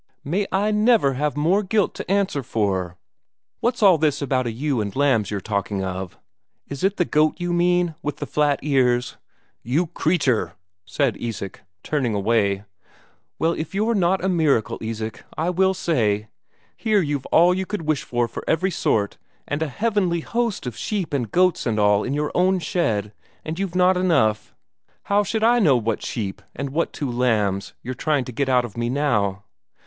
May I never have more guilt to answer for! What's all this about a ewe and lambs you're talking of? Is it the goat you mean, with the flat ears?" "You creature!" said Isak, turning away. "Well, if you're not a miracle, Isak, I will say.... Here you've all you could wish for every sort, and a heavenly host of sheep and goats and all in your own shed, and you've not enough. How should I know what sheep, and what two lambs, you're trying to get out of me now?